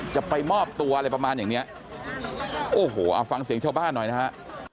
จะไปมอบตัวอะไรประมาณอย่างเนี้ยโอ้โหเอาฟังเสียงชาวบ้านหน่อยนะฮะ